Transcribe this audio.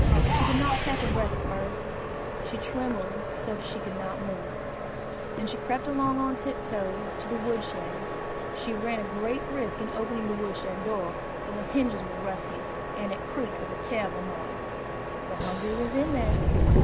She could not catch her breath at first, and she trembled so that she could not move. Then she crept along on tiptoe to the wood shed. She ran a great risk in opening the wood shed door, for the hinges were rusty, and it creaked with a terrible noise. But Hungry was in there.